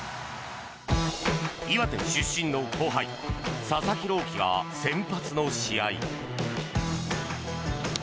岩手出身の後輩佐々木朗希が先発の試合。